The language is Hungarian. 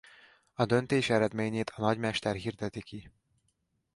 A döntés eredményét a nagymester hirdeti ki.